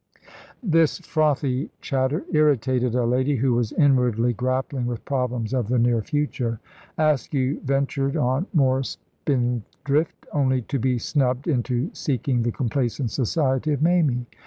This frothy chatter irritated a lady who was inwardly grappling with problems of the near future. Askew ventured on more spindrift, only to be snubbed into seeking the complaisant society of Mamie.